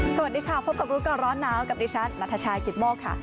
สวัสดีค่ะพบกับร้อนน้ำกับดิชันนัทชายกิตมกค่ะ